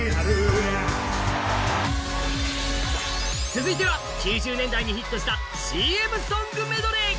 続いては９０年代にヒットしたＣＭソングメドレー！